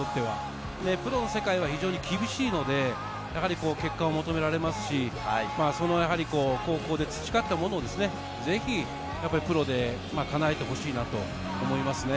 プロの世界は非常に厳しいので、結果を求められますし、高校で培ったものをぜひプロで叶えてほしいなと思いますね。